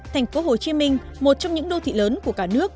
thành phố hồ chí minh một trong những đô thị lớn của cả nước